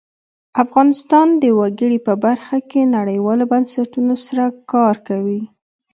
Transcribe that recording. افغانستان د وګړي په برخه کې نړیوالو بنسټونو سره کار کوي.